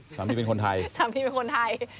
สามีเป็นคนไทย